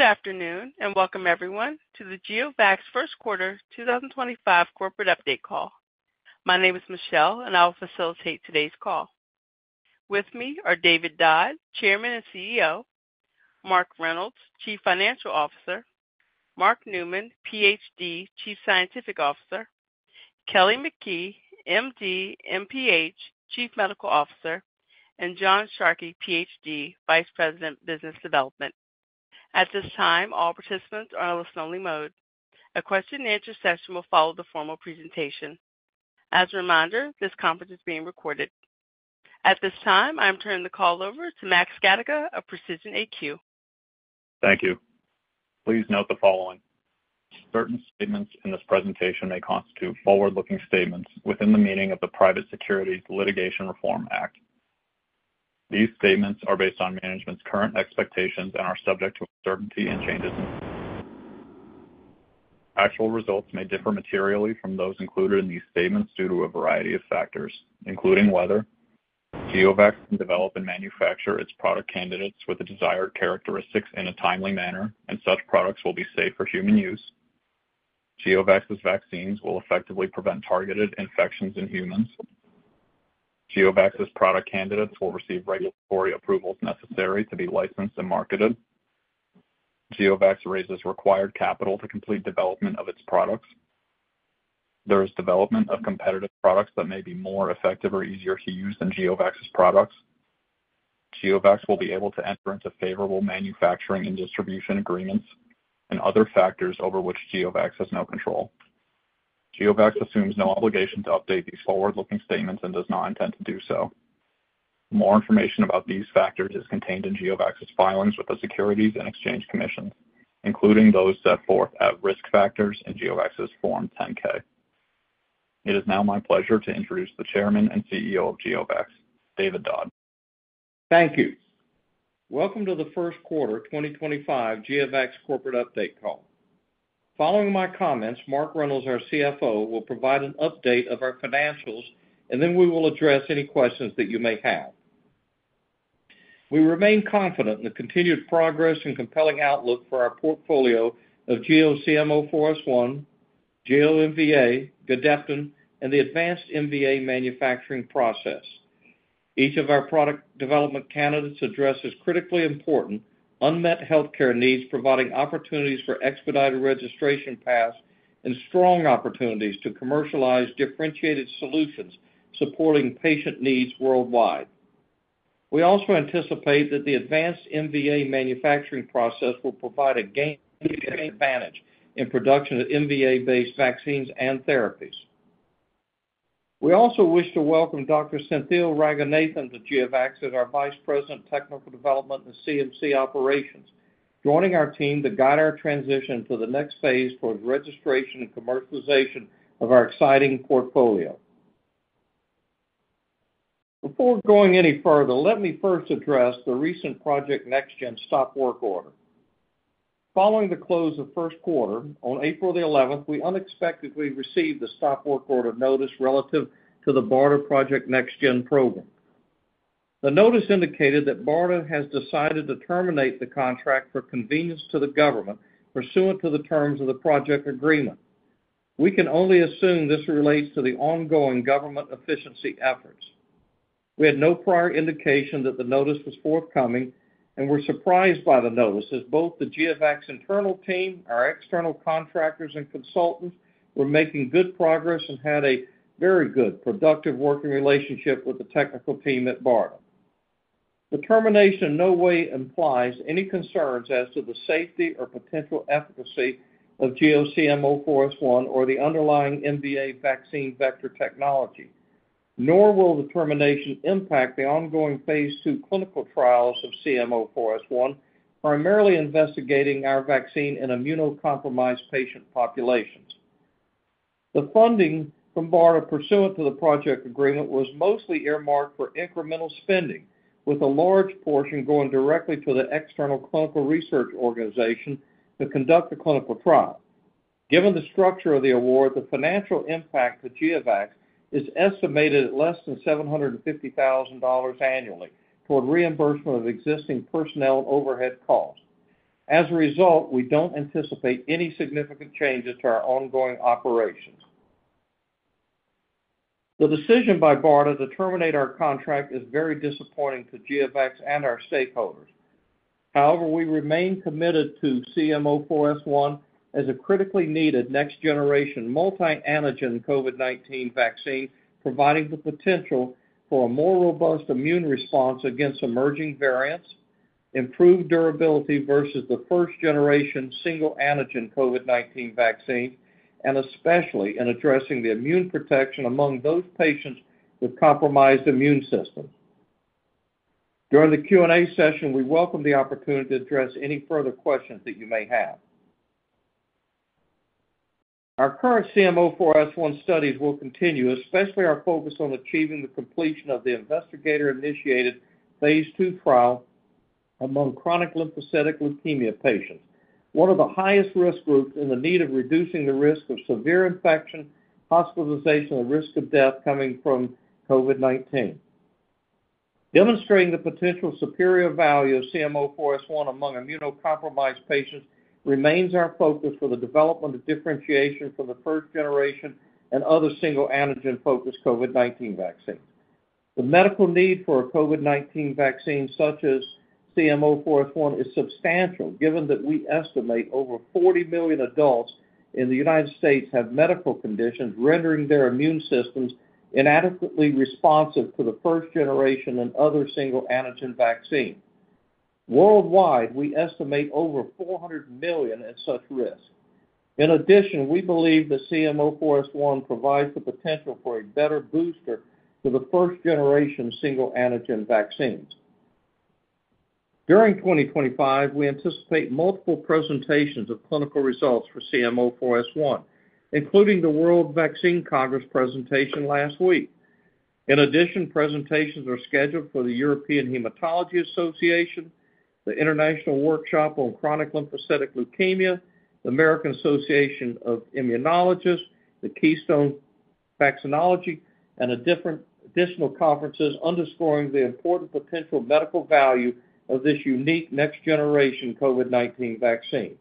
Good afternoon and welcome, everyone, to the GeoVax first quarter 2025 corporate update call. My name is Michelle, and I will facilitate today's call. With me are David Dodd, Chairman and CEO; Mark Reynolds, Chief Financial Officer; Mark Newman, Ph.D., Chief Scientific Officer; Kelly McKee, M.D., M.P.H., Chief Medical Officer; and John Sharkey, Ph.D., Vice President, Business Development. At this time, all participants are in a listen-only mode. A question-and-answer session will follow the formal presentation. As a reminder, this conference is being recorded. At this time, I'm turning the call over to Max Gadicke of Precision AQ. Thank you. Please note the following: certain statements in this presentation may constitute forward-looking statements within the meaning of the Private Securities Litigation Reform Act. These statements are based on management's current expectations and are subject to uncertainty and changes. Actual results may differ materially from those included in these statements due to a variety of factors, including whether GeoVax can develop and manufacture its product candidates with the desired characteristics in a timely manner, and such products will be safe for human use. GeoVax's vaccines will effectively prevent targeted infections in humans. GeoVax's product candidates will receive regulatory approvals necessary to be licensed and marketed. GeoVax raises required capital to complete development of its products. There is development of competitive products that may be more effective or easier to use than GeoVax's products. GeoVax will be able to enter into favorable manufacturing and distribution agreements and other factors over which GeoVax has no control. GeoVax assumes no obligation to update these forward-looking statements and does not intend to do so. More information about these factors is contained in GeoVax's filings with the Securities and Exchange Commission, including those set forth at risk factors in GeoVax's Form 10-K. It is now my pleasure to introduce the Chairman and CEO of GeoVax, David Dodd. Thank you. Welcome to the first quarter 2025 GeoVax corporate update call. Following my comments, Mark Reynolds, our CFO, will provide an update of our financials, and then we will address any questions that you may have. We remain confident in the continued progress and compelling outlook for our portfolio of GEO-CM04S1, GEO-MVA, Gedeptin, and the advanced MVA manufacturing process. Each of our product development candidates addresses critically important unmet healthcare needs, providing opportunities for expedited registration paths and strong opportunities to commercialize differentiated solutions supporting patient needs worldwide. We also anticipate that the advanced MVA manufacturing process will provide a game-changing advantage in production of MVA-based vaccines and therapies. We also wish to welcome Dr. Senthil Ranganathan to GeoVax as our Vice President, Technical Development, and CMC Operations, joining our team to guide our transition to the next phase towards registration and commercialization of our exciting portfolio. Before going any further, let me first address the recent Project NextGen stop work order. Following the close of first quarter, on April the 11th, we unexpectedly received the stop work order notice relative to the BARDA Project NextGen program. The notice indicated that BARDA has decided to terminate the contract for convenience to the government pursuant to the terms of the project agreement. We can only assume this relates to the ongoing government efficiency efforts. We had no prior indication that the notice was forthcoming, and we're surprised by the notice as both the GeoVax internal team, our external contractors, and consultants were making good progress and had a very good, productive working relationship with the technical team at BARDA. The termination in no way implies any concerns as to the safety or potential efficacy of GEO-CM04S1 or the underlying MVA vaccine vector technology, nor will the termination impact the ongoing phase II clinical trials of CM04S1, primarily investigating our vaccine in immunocompromised patient populations. The funding from BARDA pursuant to the project agreement was mostly earmarked for incremental spending, with a large portion going directly to the external clinical research organization to conduct the clinical trial. Given the structure of the award, the financial impact to GeoVax is estimated at less than $750,000 annually toward reimbursement of existing personnel and overhead costs. As a result, we don't anticipate any significant changes to our ongoing operations. The decision by BARDA to terminate our contract is very disappointing to GeoVax and our stakeholders. However, we remain committed to GEO-CM04S1 as a critically needed next-generation multi-antigen COVID-19 vaccine, providing the potential for a more robust immune response against emerging variants, improved durability versus the first-generation single-antigen COVID-19 vaccine, and especially in addressing the immune protection among those patients with compromised immune systems. During the Q&A session, we welcome the opportunity to address any further questions that you may have. Our current GEO-CM04S1 studies will continue, especially our focus on achieving the completion of the investigator-initiated phase II trial among chronic lymphocytic leukemia patients, one of the highest risk groups in the need of reducing the risk of severe infection, hospitalization, and risk of death coming from COVID-19. Demonstrating the potential superior value of GEO-CM04S1 among immunocompromised patients remains our focus for the development of differentiation for the first-generation and other single-antigen-focused COVID-19 vaccines. The medical need for a COVID-19 vaccine such as CM04S1 is substantial, given that we estimate over 40 million adults in the United States have medical conditions rendering their immune systems inadequately responsive to the first-generation and other single-antigen vaccines. Worldwide, we estimate over 400 million at such risk. In addition, we believe that CM04S1 provides the potential for a better booster to the first-generation single-antigen vaccines. During 2025, we anticipate multiple presentations of clinical results for CM04S1, including the World Vaccine Congress presentation last week. In addition, presentations are scheduled for the European Hematology Association, the International Workshop on Chronic Lymphocytic Leukemia, the American Association of Immunologists, the Keystone Vaccinology, and additional conferences underscoring the important potential medical value of this unique next-generation COVID-19 vaccine.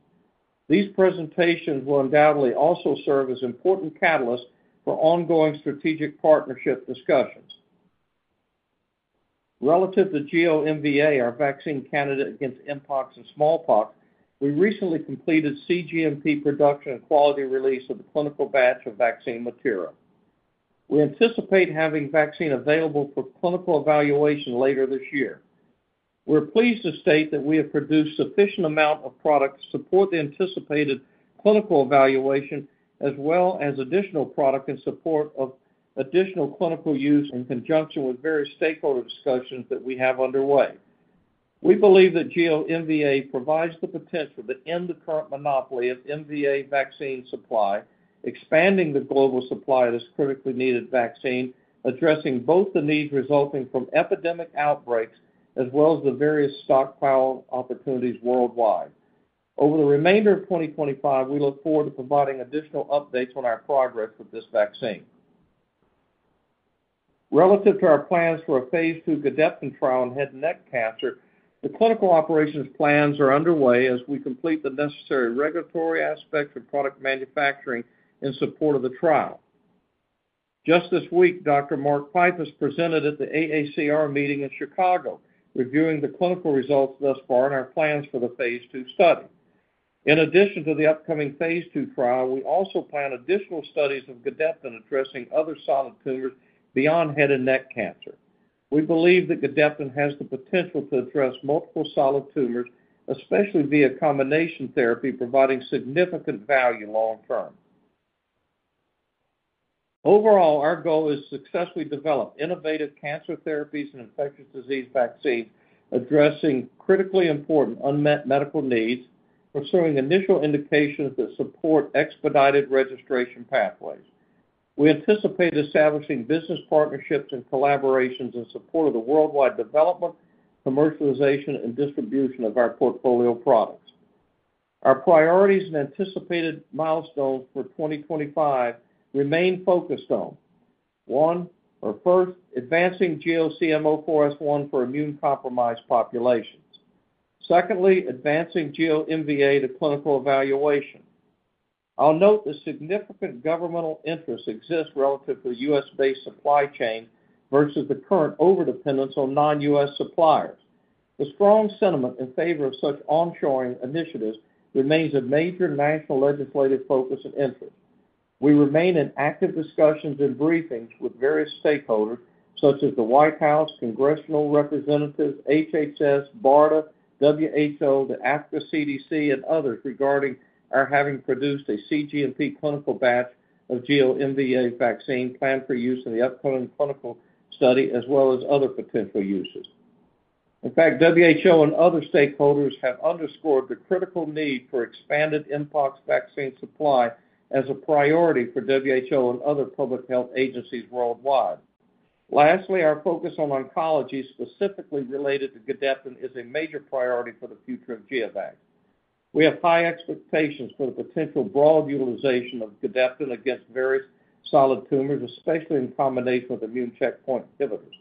These presentations will undoubtedly also serve as important catalysts for ongoing strategic partnership discussions. Relative to GEO-MVA, our vaccine candidate against mpox and smallpox, we recently completed CGMP production and quality release of the clinical batch of vaccine material. We anticipate having vaccine available for clinical evaluation later this year. We're pleased to state that we have produced sufficient amounts of product to support the anticipated clinical evaluation, as well as additional product in support of additional clinical use in conjunction with various stakeholder discussions that we have underway. We believe that GEO-MVA provides the potential to end the current monopoly of MVA vaccine supply, expanding the global supply of this critically needed vaccine, addressing both the needs resulting from epidemic outbreaks as well as the various stockpile opportunities worldwide. Over the remainder of 2025, we look forward to providing additional updates on our progress with this vaccine. Relative to our plans for a phase II Gedeptin trial in head and neck cancer, the clinical operations plans are underway as we complete the necessary regulatory aspects of product manufacturing in support of the trial. Just this week, Dr. Mark Pfeiffer has presented at the AACR meeting in Chicago, reviewing the clinical results thus far and our plans for the phase II study. In addition to the upcoming phase II trial, we also plan additional studies of Gedeptin addressing other solid tumors beyond head and neck cancer. We believe that Gedeptin has the potential to address multiple solid tumors, especially via combination therapy, providing significant value long-term. Overall, our goal is to successfully develop innovative cancer therapies and infectious disease vaccines addressing critically important unmet medical needs, pursuing initial indications that support expedited registration pathways. We anticipate establishing business partnerships and collaborations in support of the worldwide development, commercialization, and distribution of our portfolio products. Our priorities and anticipated milestones for 2025 remain focused on: one, first, advancing GEO-CM04S1 for immune-compromised populations. Secondly, advancing GEO-MVA clinical evaluation. I'll note the significant governmental interests exist relative to the U.S.-based supply chain versus the current overdependence on non-U.S. suppliers. The strong sentiment in favor of such onshoring initiatives remains a major national legislative focus and interest. We remain in active discussions and briefings with various stakeholders, such as the White House, congressional representatives, HHS, BARDA, WHO, the FDA, CDC, and others regarding our having produced a CGMP clinical batch of GEO-MVA vaccine planned for use in the upcoming clinical study, as well as other potential uses. In fact, WHO and other stakeholders have underscored the critical need for expanded mpox vaccine supply as a priority for WHO and other public health agencies worldwide. Lastly, our focus on oncology, specifically related to Gedeptin, is a major priority for the future of GeoVax. We have high expectations for the potential broad utilization of Gedeptin against various solid tumors, especially in combination with immune checkpoint inhibitors.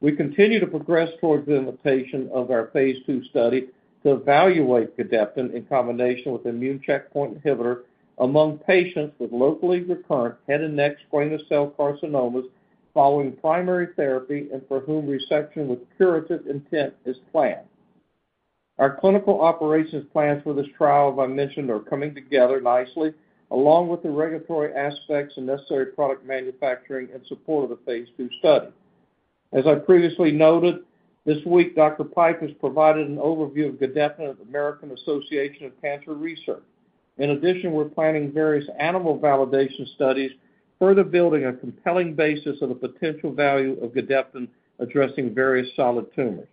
We continue to progress towards the implementation of our phase II study to evaluate Gedeptin in combination with immune checkpoint inhibitor among patients with locally recurrent head and neck squamous cell carcinomas following primary therapy and for whom resection with curative intent is planned. Our clinical operations plans for this trial, as I mentioned, are coming together nicely, along with the regulatory aspects and necessary product manufacturing in support of the phase II study. As I previously noted, this week, Dr. Pfeiffer has provided an overview of Gedeptin at the American Association for Cancer Research. In addition, we're planning various animal validation studies, further building a compelling basis of the potential value of Gedeptin addressing various solid tumors.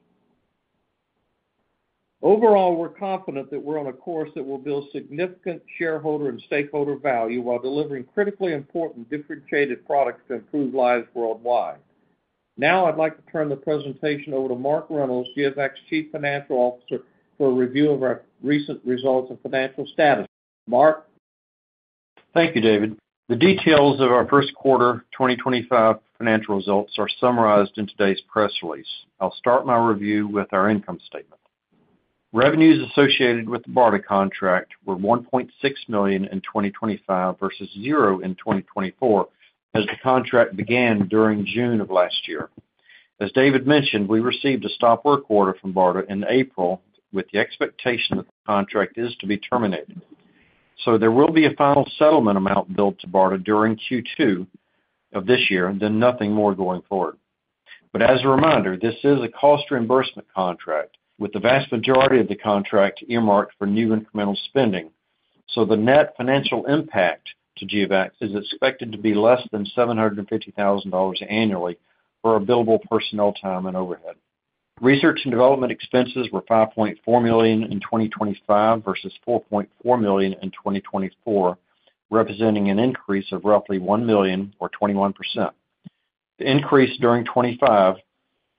Overall, we're confident that we're on a course that will build significant shareholder and stakeholder value while delivering critically important differentiated products to improve lives worldwide. Now, I'd like to turn the presentation over to Mark Reynolds, GeoVax Chief Financial Officer, for a review of our recent results and financial status. Mark. Thank you, David. The details of our first quarter 2025 financial results are summarized in today's press release. I'll start my review with our income statement. Revenues associated with the BARDA contract were $1.6 million in 2025 versus $0 in 2024, as the contract began during June of last year. As David mentioned, we received a stop work order from BARDA in April with the expectation that the contract is to be terminated. There will be a final settlement amount billed to BARDA during Q2 of this year and then nothing more going forward. As a reminder, this is a cost reimbursement contract, with the vast majority of the contract earmarked for new incremental spending. The net financial impact to GeoVax is expected to be less than $750,000 annually for available personnel time and overhead. Research and development expenses were $5.4 million in 2025 versus $4.4 million in 2024, representing an increase of roughly $1 million, or 21%. The increase during 2025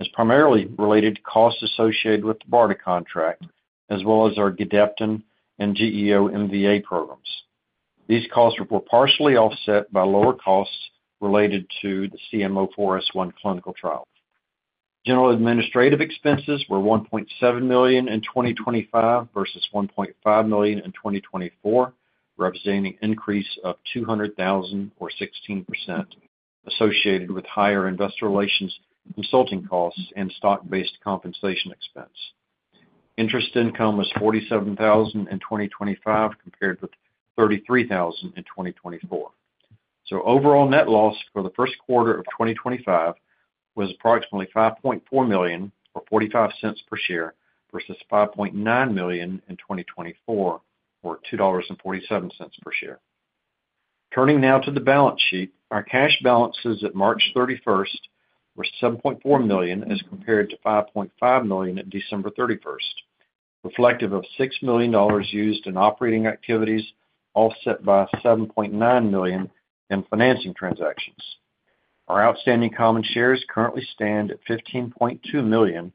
is primarily related to costs associated with the BARDA contract, as well as our Gedeptin and GEO-MVA programs. These costs were partially offset by lower costs related to the GEO-CM04S1 clinical trial. General administrative expenses were $1.7 million in 2025 versus $1.5 million in 2024, representing an increase of $200,000, or 16%, associated with higher investor relations consulting costs and stock-based compensation expense. Interest income was $47,000 in 2025 compared with $33,000 in 2024. Overall net loss for the first quarter of 2025 was approximately $5.4 million, or $0.45 per share, versus $5.9 million in 2024, or $2.47 per share. Turning now to the balance sheet, our cash balances at March 31st were $7.4 million as compared to $5.5 million at December 31st, reflective of $6 million used in operating activities, offset by $7.9 million in financing transactions. Our outstanding common shares currently stand at 15.2 million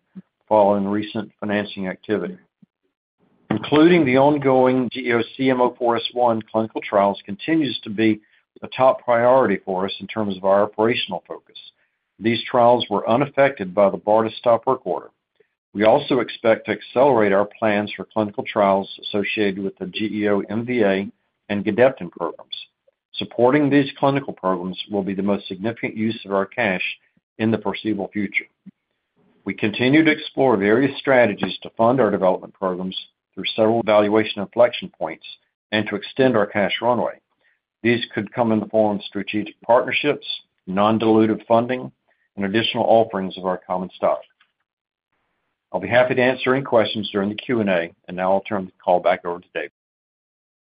following recent financing activity. Including the ongoing GEO-CM04S1 clinical trials continues to be a top priority for us in terms of our operational focus. These trials were unaffected by the BARDA stop work order. We also expect to accelerate our plans for clinical trials associated with the GEO-MVA and Gedeptin programs. Supporting these clinical programs will be the most significant use of our cash in the foreseeable future. We continue to explore various strategies to fund our development programs through several evaluation inflection points and to extend our cash runway. These could come in the form of strategic partnerships, non-dilutive funding, and additional offerings of our common stock. I'll be happy to answer any questions during the Q&A, and now I'll turn the call back over to David.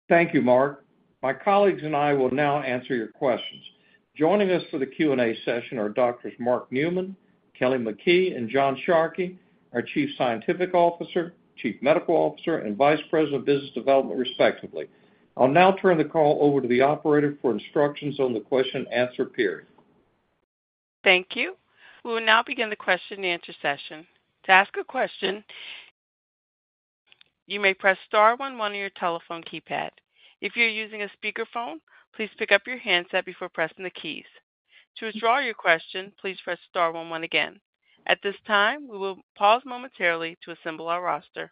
Thank you, Mark. My colleagues and I will now answer your questions. Joining us for the Q&A session are Doctors Mark Newman, Kelly McKee, and John Sharkey, our Chief Scientific Officer, Chief Medical Officer, and Vice President of Business Development, respectively. I'll now turn the call over to the operator for instructions on the question-and-answer period. Thank you. We will now begin the question-and-answer session. To ask a question, you may press star one one on your telephone keypad. If you're using a speakerphone, please pick up your handset before pressing the keys. To withdraw your question, please press star one one again. At this time, we will pause momentarily to assemble our roster.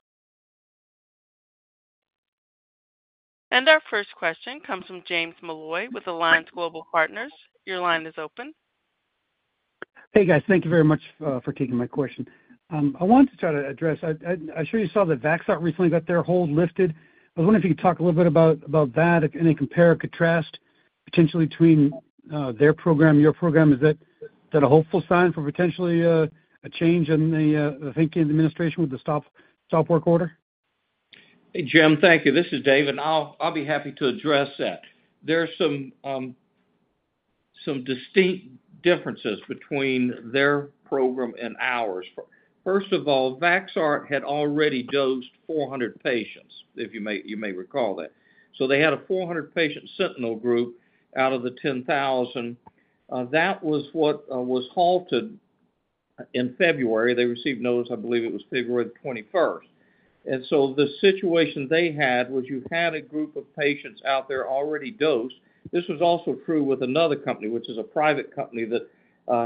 Our first question comes from James Molloy with Alliance Global Partners. Your line is open. Hey, guys. Thank you very much for taking my question. I wanted to try to address—I am sure you saw that VaxArt recently got their hold lifted. I was wondering if you could talk a little bit about that, if any compare or contrast potentially between their program and your program. Is that a hopeful sign for potentially a change in the thinking of the administration with the stop work order? Hey, Jim, thank you. This is David. I'll be happy to address that. There are some distinct differences between their program and ours. First of all, VaxArt had already dosed 400 patients, if you may recall that. They had a 400-patient sentinel group out of the 10,000. That was what was halted in February. They received notice, I believe it was February the 21st. The situation they had was you had a group of patients out there already dosed. This was also true with another company, which is a private company that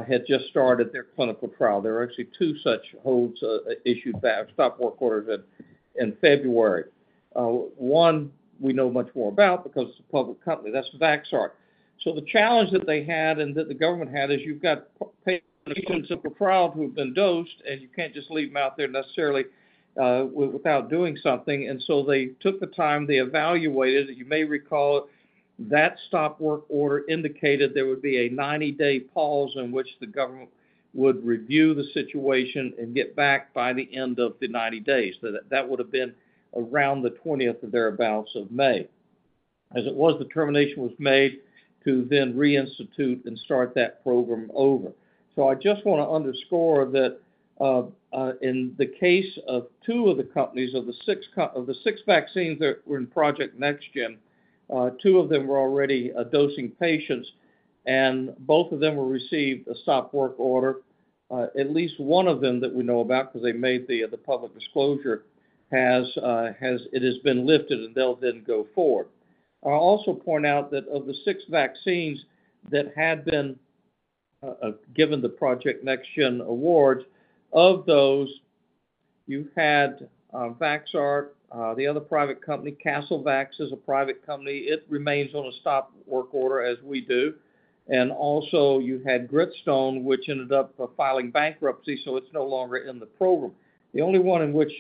had just started their clinical trial. There were actually two such holds issued by our stop work orders in February. One we know much more about because it's a public company. That's VaxArt. The challenge that they had and that the government had is you've got patients in the clinical trial who have been dosed, and you can't just leave them out there necessarily without doing something. They took the time. They evaluated it. You may recall that stop work order indicated there would be a 90-day pause in which the government would review the situation and get back by the end of the 90 days. That would have been around the 20th or thereabouts of May. As it was, the termination was made to then reinstitute and start that program over. I just want to underscore that in the case of two of the companies, of the six vaccines that were in Project NextGen, two of them were already dosing patients, and both of them received a stop work order. At least one of them that we know about, because they made the public disclosure, it has been lifted, and they'll then go forward. I'll also point out that of the six vaccines that had been given the Project NextGen award, of those, you had VaxArt, the other private company, CastleVax is a private company. It remains on a stop work order, as we do. Also, you had Gritstone, which ended up filing bankruptcy, so it's no longer in the program. The only one in which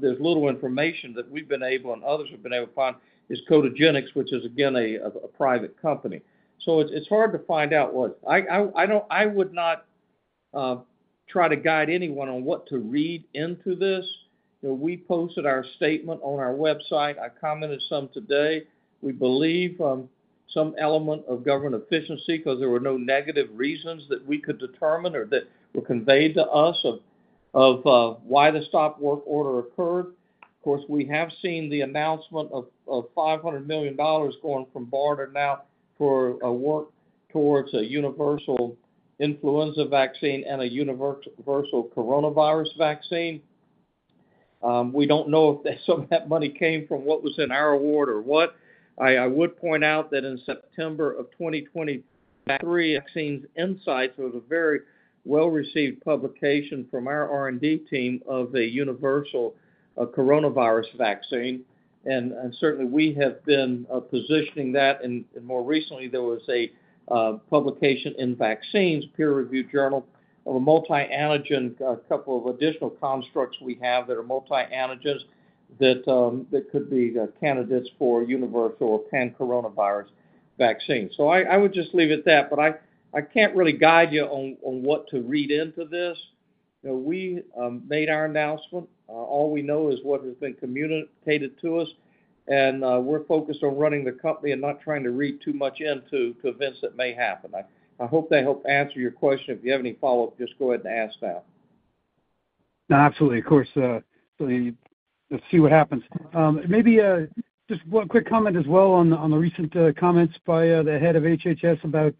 there's little information that we've been able, and others have been able to find, is Codagenix, which is, again, a private company. It's hard to find out what. I would not try to guide anyone on what to read into this. We posted our statement on our website. I commented some today. We believe some element of government efficiency because there were no negative reasons that we could determine or that were conveyed to us of why the stop work order occurred. Of course, we have seen the announcement of $500 million going from BARDA now for a work towards a universal influenza vaccine and a universal coronavirus vaccine. We don't know if some of that money came from what was in our award or what. I would point out that in September of 2023, Vaccine Insights was a very well-received publication from our R&D team of a universal coronavirus vaccine. Certainly, we have been positioning that. More recently, there was a publication in Vaccines, a peer-reviewed journal, of a multi-antigen, a couple of additional constructs we have that are multi-antigens that could be candidates for universal pan-coronavirus vaccine. I would just leave it at that. I cannot really guide you on what to read into this. We made our announcement. All we know is what has been communicated to us. We are focused on running the company and not trying to read too much into events that may happen. I hope that helped answer your question. If you have any follow-up, just go ahead and ask now. Absolutely. Of course. Let's see what happens. Maybe just one quick comment as well on the recent comments by the head of HHS about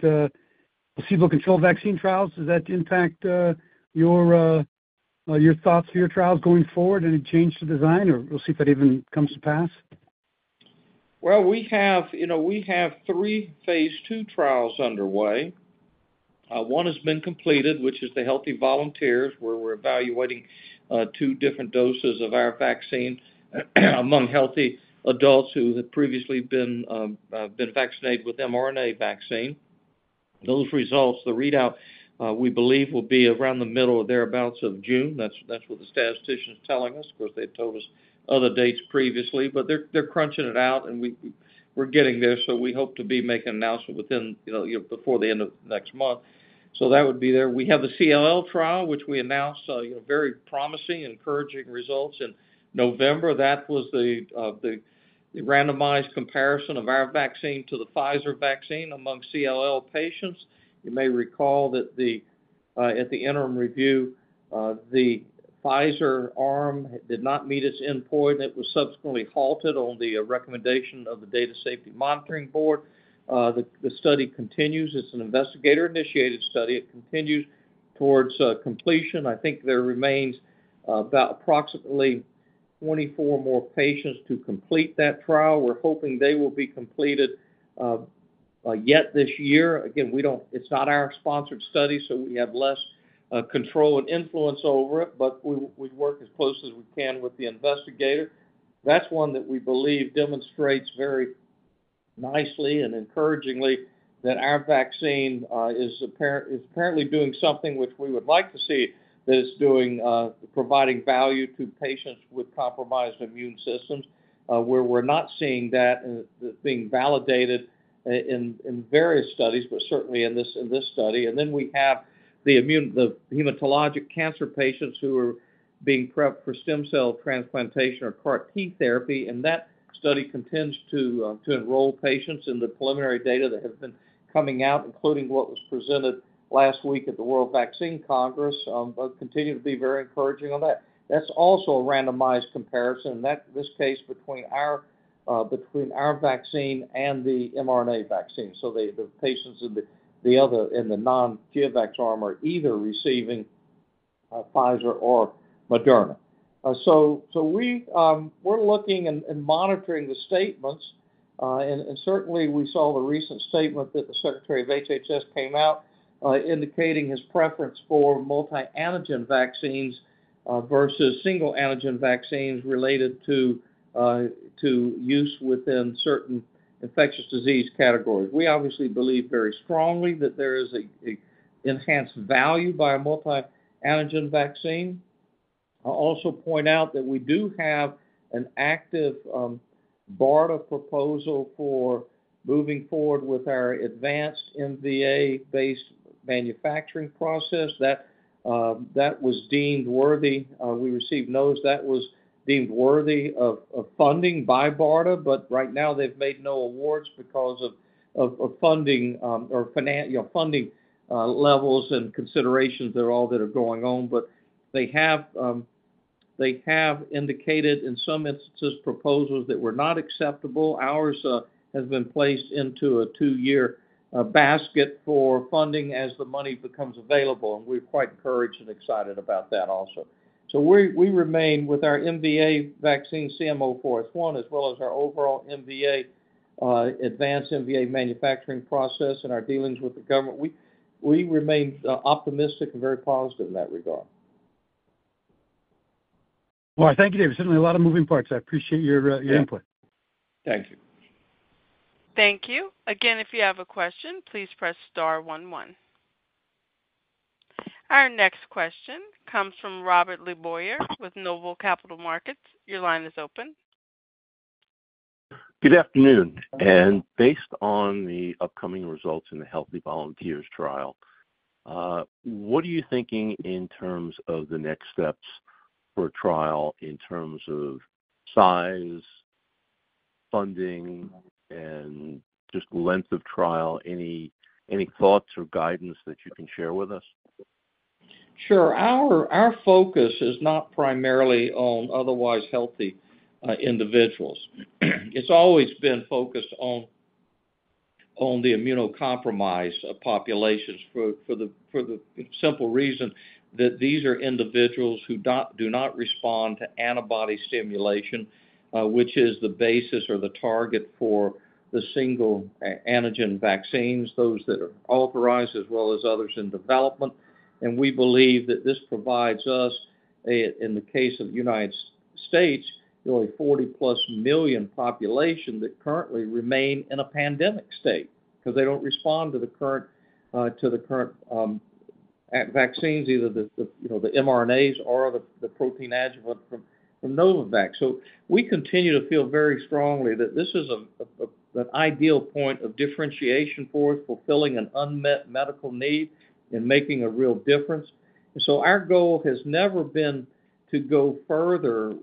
placebo-controlled vaccine trials. Does that impact your thoughts for your trials going forward and a change to design, or we'll see if that even comes to pass? We have three phase II trials underway. One has been completed, which is the healthy volunteers, where we're evaluating two different doses of our vaccine among healthy adults who had previously been vaccinated with mRNA vaccine. Those results, the readout, we believe, will be around the middle or thereabouts of June. That's what the statisticians are telling us. Of course, they've told us other dates previously. They're crunching it out, and we're getting there. We hope to be making an announcement before the end of next month. That would be there. We have the CLL trial, which we announced very promising, encouraging results in November. That was the randomized comparison of our vaccine to the Pfizer vaccine among CLL patients. You may recall that at the interim review, the Pfizer arm did not meet its endpoint. It was subsequently halted on the recommendation of the Data Safety Monitoring Board. The study continues. It's an investigator-initiated study. It continues towards completion. I think there remains about approximately 24 more patients to complete that trial. We're hoping they will be completed yet this year. Again, it's not our sponsored study, so we have less control and influence over it. We work as close as we can with the investigator. That's one that we believe demonstrates very nicely and encouragingly that our vaccine is apparently doing something which we would like to see that is providing value to patients with compromised immune systems, where we're not seeing that being validated in various studies, certainly in this study. We have the hematologic cancer patients who are being prepped for stem cell transplantation or CAR T therapy. That study continues to enroll patients and the preliminary data that has been coming out, including what was presented last week at the World Vaccine Congress, continue to be very encouraging on that. That is also a randomized comparison, in this case between our vaccine and the mRNA vaccine. The patients in the non-GeoVax arm are either receiving Pfizer or Moderna. We are looking and monitoring the statements. Certainly, we saw the recent statement that the Secretary of HHS came out indicating his preference for multi-antigen vaccines versus single-antigen vaccines related to use within certain infectious disease categories. We obviously believe very strongly that there is an enhanced value by a multi-antigen vaccine. I will also point out that we do have an active BARDA proposal for moving forward with our advanced MVA-based manufacturing process. That was deemed worthy. We received notice that was deemed worthy of funding by BARDA. Right now, they've made no awards because of funding levels and considerations that are going on. They have indicated in some instances proposals that were not acceptable. Ours has been placed into a two-year basket for funding as the money becomes available. We're quite encouraged and excited about that also. We remain with our MVA vaccine GEO-CM04S1, as well as our overall advanced MVA manufacturing process and our dealings with the government. We remain optimistic and very positive in that regard. I thank you, David. Certainly, a lot of moving parts. I appreciate your input. Thank you. Thank you. Again, if you have a question, please press star one one. Our next question comes from Robert LeBoyer with Noble Capital Markets. Your line is open. Good afternoon. Based on the upcoming results in the healthy volunteers trial, what are you thinking in terms of the next steps for a trial in terms of size, funding, and just length of trial? Any thoughts or guidance that you can share with us? Sure. Our focus is not primarily on otherwise healthy individuals. It's always been focused on the immunocompromised populations for the simple reason that these are individuals who do not respond to antibody stimulation, which is the basis or the target for the single antigen vaccines, those that are authorized as well as others in development. We believe that this provides us, in the case of the United States, the only 40+ million population that currently remain in a pandemic state because they don't respond to the current vaccines, either the mRNAs or the protein adjuvant from Novavax. We continue to feel very strongly that this is an ideal point of differentiation for us, fulfilling an unmet medical need and making a real difference. Our goal has never been to go further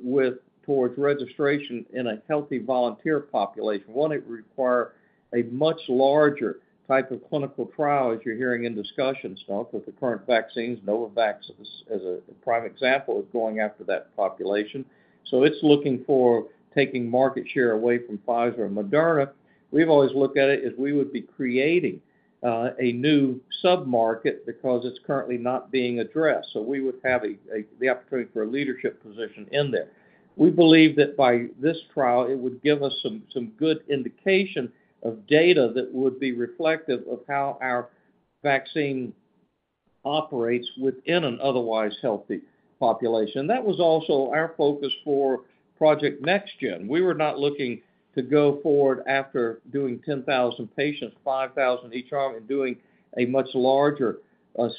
towards registration in a healthy volunteer population. One, it would require a much larger type of clinical trial, as you're hearing in discussions, with the current vaccines. Novavax, as a prime example, is going after that population. It is looking for taking market share away from Pfizer and Moderna. We've always looked at it as we would be creating a new sub-market because it's currently not being addressed. We would have the opportunity for a leadership position in there. We believe that by this trial, it would give us some good indication of data that would be reflective of how our vaccine operates within an otherwise healthy population. That was also our focus for Project NextGen. We were not looking to go forward after doing 10,000 patients, 5,000 each arm, and doing a much larger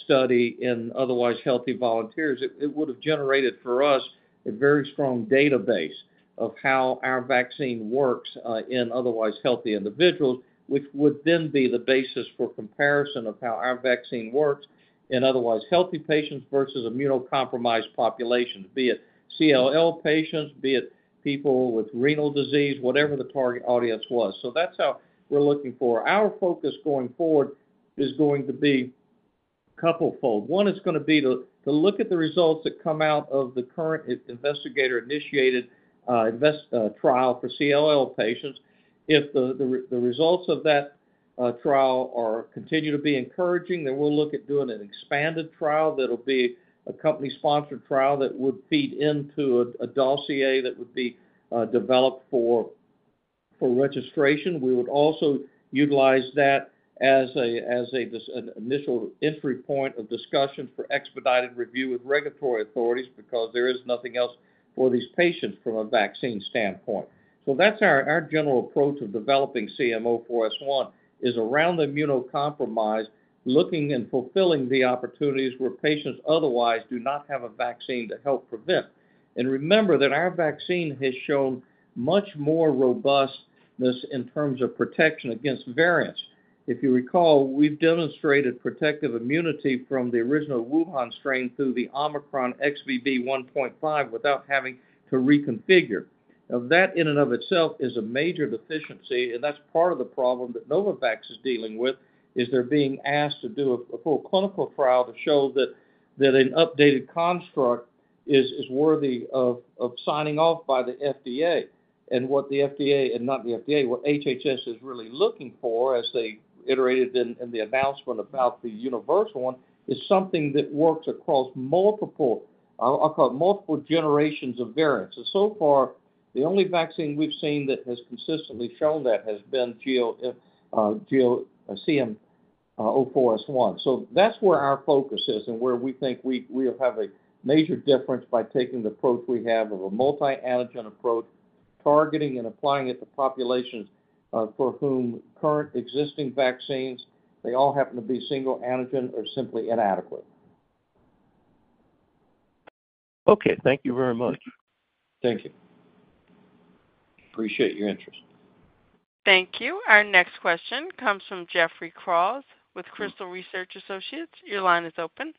study in otherwise healthy volunteers. It would have generated for us a very strong database of how our vaccine works in otherwise healthy individuals, which would then be the basis for comparison of how our vaccine works in otherwise healthy patients versus immunocompromised populations, be it CLL patients, be it people with renal disease, whatever the target audience was. That is how we are looking forward. Our focus going forward is going to be couple-fold. One, it is going to be to look at the results that come out of the current investigator-initiated trial for CLL patients. If the results of that trial continue to be encouraging, then we will look at doing an expanded trial that will be a company-sponsored trial that would feed into a dossier that would be developed for registration. We would also utilize that as an initial entry point of discussion for expedited review with regulatory authorities because there is nothing else for these patients from a vaccine standpoint. That is our general approach of developing CM04S1, is around the immunocompromised, looking and fulfilling the opportunities where patients otherwise do not have a vaccine to help prevent. Remember that our vaccine has shown much more robustness in terms of protection against variants. If you recall, we have demonstrated protective immunity from the original Wuhan strain through the Omicron XBB.1.5 without having to reconfigure. That in and of itself is a major deficiency. That is part of the problem that Novavax is dealing with, as they are being asked to do a full clinical trial to show that an updated construct is worthy of signing off by the FDA. What HHS is really looking for, as they iterated in the announcement about the universal one, is something that works across multiple generations of variants. So far, the only vaccine we've seen that has consistently shown that has been GEO-CM04S1. That is where our focus is and where we think we'll have a major difference by taking the approach we have of a multi-antigen approach, targeting and applying it to populations for whom current existing vaccines, they all happen to be single antigen or simply inadequate. Okay. Thank you very much. Thank you. Appreciate your interest. Thank you. Our next question comes from Jeffrey Kraws with Crystal Research Associates. Your line is open.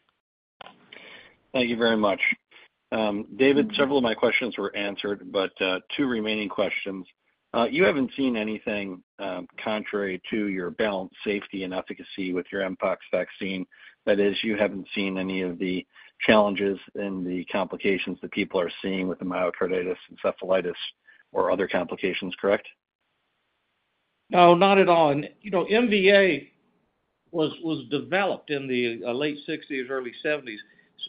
Thank you very much. David, several of my questions were answered, but two remaining questions. You haven't seen anything contrary to your balance, safety, and efficacy with your mpox vaccine. That is, you haven't seen any of the challenges and the complications that people are seeing with the myocarditis, encephalitis, or other complications, correct? No, not at all. MVA was developed in the late 1960s, early 1970s,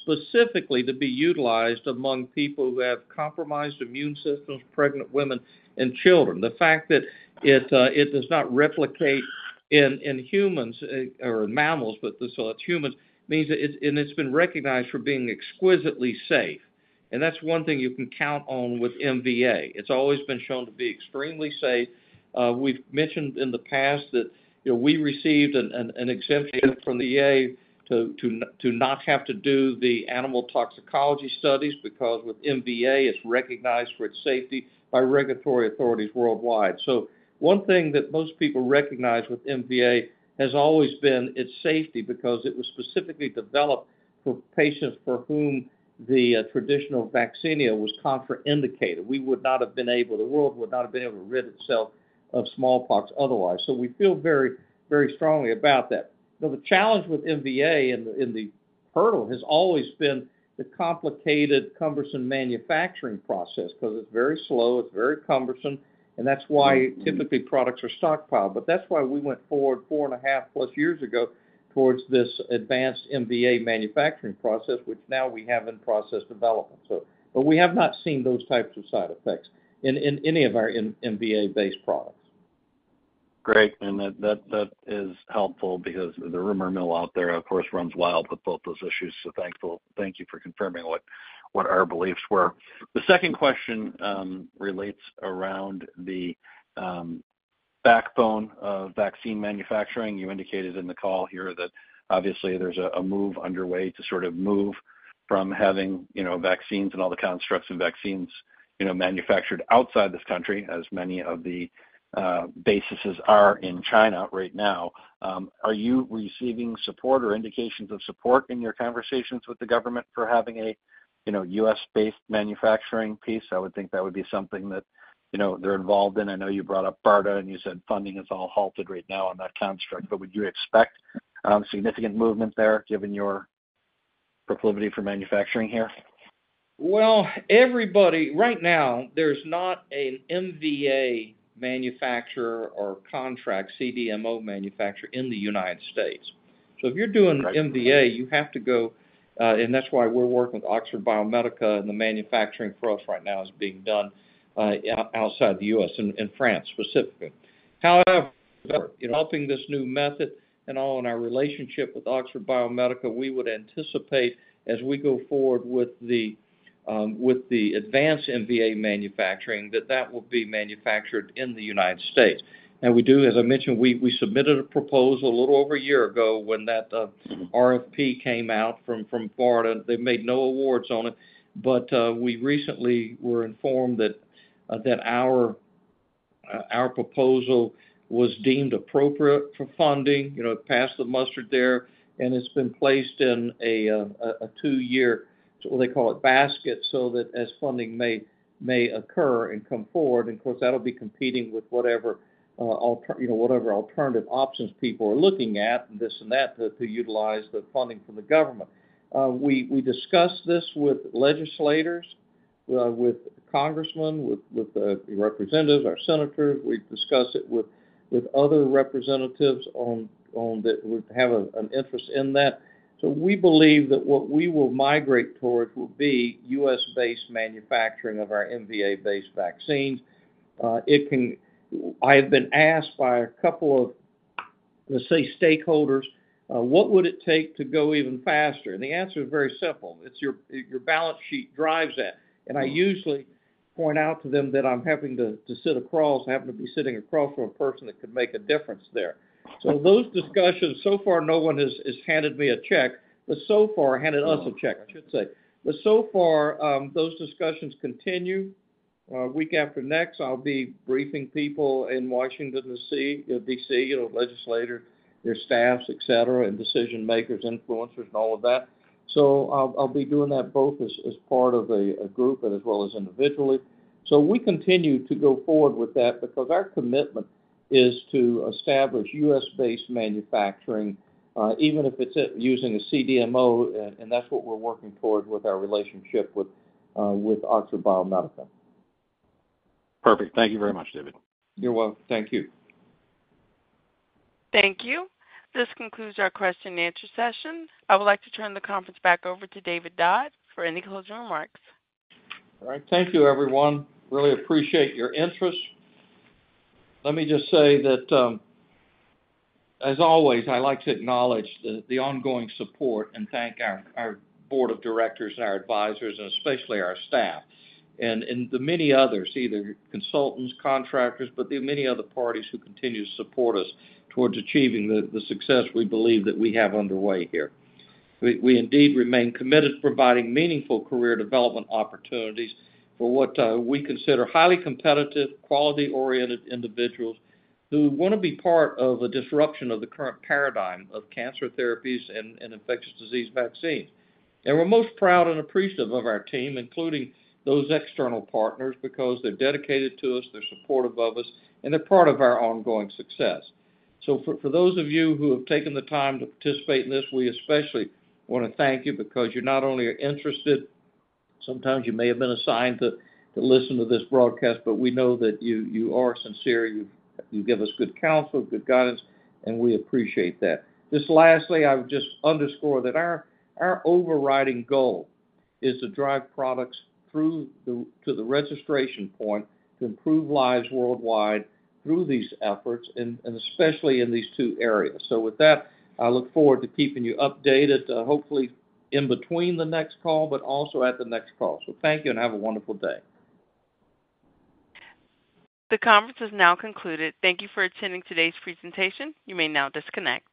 specifically to be utilized among people who have compromised immune systems, pregnant women, and children. The fact that it does not replicate in humans or in mammals, so that is humans, means that it has been recognized for being exquisitely safe. That is one thing you can count on with MVA. It has always been shown to be extremely safe. We have mentioned in the past that we received an exemption from the FDA not have to do the animal toxicology studies because with MVA, it is recognized for its safety by regulatory authorities worldwide. One thing that most people recognize with MVA has always been its safety because it was specifically developed for patients for whom the traditional vaccinia was contraindicated. We would not have been able to—the world would not have been able to rid itself of smallpox otherwise. We feel very strongly about that. The challenge with MVA and the hurdle has always been the complicated, cumbersome manufacturing process because it is very slow. It is very cumbersome. That is why typically products are stockpiled. That is why we went forward four and a half plus years ago towards this advanced MVA manufacturing process, which now we have in process development. We have not seen those types of side effects in any of our MVA-based products. Great. That is helpful because the rumor mill out there, of course, runs wild with both those issues. Thank you for confirming what our beliefs were. The second question relates around the backbone of vaccine manufacturing. You indicated in the call here that obviously there is a move underway to sort of move from having vaccines and all the constructs and vaccines manufactured outside this country, as many of the bases are in China right now. Are you receiving support or indications of support in your conversations with the government for having a U.S.-based manufacturing piece? I would think that would be something that they are involved in. I know you brought up BARDA, and you said funding is all halted right now on that construct. Would you expect significant movement there given your proclivity for manufacturing here? Everybody right now, there's not an MVA manufacturer or contract CDMO manufacturer in the United States. If you're doing MVA, you have to go—and that's why we're working with Oxford Biomedica, and the manufacturing for us right now is being done outside the U.S., in France specifically. However, developing this new method and all in our relationship with Oxford Biomedica, we would anticipate, as we go forward with the advanced MVA manufacturing, that that will be manufactured in the United States. Now, we do, as I mentioned, we submitted a proposal a little over a year ago when that RFP came out from BARDA. They made no awards on it. We recently were informed that our proposal was deemed appropriate for funding. It passed the muster there. It has been placed in a two-year, what they call it, basket so that as funding may occur and come forward, and of course, that'll be competing with whatever alternative options people are looking at, this and that, to utilize the funding from the government. We discussed this with legislators, with congressmen, with the representatives, our senators. We discuss it with other representatives that would have an interest in that. We believe that what we will migrate towards will be U.S.-based manufacturing of our MVA-based vaccines. I have been asked by a couple of, let's say, stakeholders, "What would it take to go even faster?" The answer is very simple. It's your balance sheet drives that. I usually point out to them that I'm having to sit across, having to be sitting across from a person that could make a difference there. Those discussions, so far, no one has handed me a check, but so far handed us a check, I should say. But so far, those discussions continue. Week after next, I'll be briefing people in Washington, D.C., legislators, their staffs, etc., and decision-makers, influencers, and all of that. I'll be doing that both as part of a group as well as individually. We continue to go forward with that because our commitment is to establish U.S.-based manufacturing, even if it's using a CDMO, and that's what we're working toward with our relationship with Oxford Biomedica. Perfect. Thank you very much, David. You're welcome. Thank you. Thank you. This concludes our question-and-answer session. I would like to turn the conference back over to David Dodd for any closing remarks. All right. Thank you, everyone. Really appreciate your interest. Let me just say that, as always, I'd like to acknowledge the ongoing support and thank our board of directors and our advisors, and especially our staff, and the many others, either consultants, contractors, but the many other parties who continue to support us towards achieving the success we believe that we have underway here. We indeed remain committed to providing meaningful career development opportunities for what we consider highly competitive, quality-oriented individuals who want to be part of a disruption of the current paradigm of cancer therapies and infectious disease vaccines. We are most proud and appreciative of our team, including those external partners, because they're dedicated to us, they're supportive of us, and they're part of our ongoing success. For those of you who have taken the time to participate in this, we especially want to thank you because you not only are interested—sometimes you may have been assigned to listen to this broadcast—but we know that you are sincere. You give us good counsel, good guidance, and we appreciate that. Just lastly, I would just underscore that our overriding goal is to drive products through to the registration point to improve lives worldwide through these efforts, and especially in these two areas. With that, I look forward to keeping you updated, hopefully in between the next call, but also at the next call. Thank you, and have a wonderful day. The conference is now concluded. Thank you for attending today's presentation. You may now disconnect.